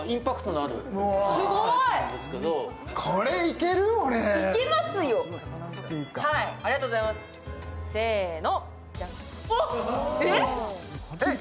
ありがとうございます、せーの。